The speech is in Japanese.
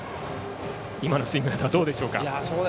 今のスイングどうでしょうか。